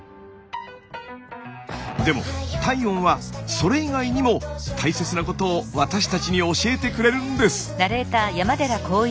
でも体温はそれ以外にも大切なことを私たちに教えてくれるんです！